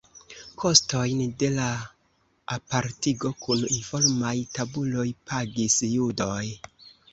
Kostojn de la apartigo kun informaj tabuloj pagis judoj.